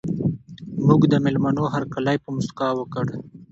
موږ د مېلمنو هرکلی په مسکا وکړ.